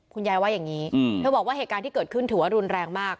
คุณยายว่าอย่างนี้เธอบอกว่าเหตุการณ์ที่เกิดขึ้นถือว่ารุนแรงมาก